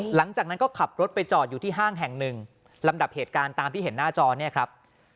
หลังจากนั้นก็ขับรถไปจอดอยู่ที่ห้างแห่งหนึ่งลำดับเหตุการณ์ตามที่เห็นหน้าจอเนี่ยครับ